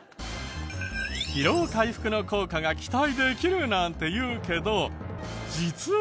疲労回復の効果が期待できるなんていうけど実は。